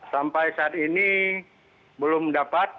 sampai saat ini belum dapat